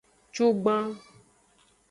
Cugban.